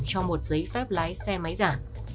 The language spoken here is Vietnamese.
cho một giấy phép lái xe máy giả